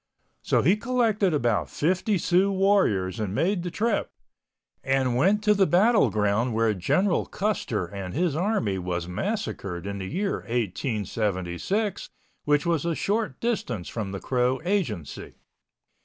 So he collected about fifty Sioux warriors and made the trip, and went to the battle ground where General Custer and his army was massacred in the year 1876, which was a short distance from the Crow Agency.